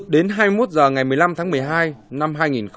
đến hai mươi một h ngày một mươi năm tháng một mươi hai năm hai nghìn một mươi hai